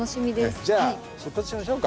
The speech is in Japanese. じゃあ出発しましょうか。